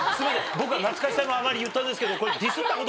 僕は懐かしさのあまり言ったんですけど。